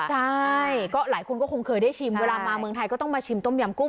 ใช่ก็หลายคนก็คงเคยได้ชิมเวลามาเมืองไทยก็ต้องมาชิมต้มยำกุ้